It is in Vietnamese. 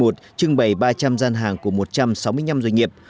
trưng bày ba trăm linh gian hàng của một trăm sáu mươi năm doanh nghiệp